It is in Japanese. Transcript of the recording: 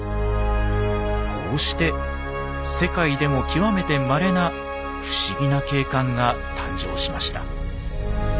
こうして世界でも極めてまれな不思議な景観が誕生しました。